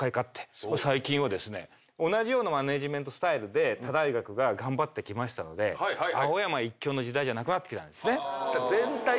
最近はですね同じようなマネジメントスタイルで他大学が頑張ってきましたので青山一強の時代じゃなくなってきたんですね。